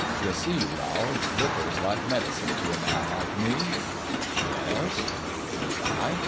'You see, Rowl, liquor's like medicine to a man like me.' "'Yes?' says I.